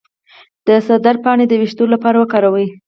د سدر پاڼې د ویښتو لپاره وکاروئ